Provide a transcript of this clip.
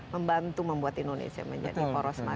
membantu membuat indonesia menjadi poros maju